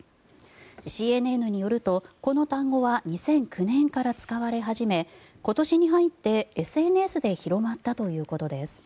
ＣＮＮによると、この単語は２００９年から使われ始め今年に入ってＳＮＳで広まったということです。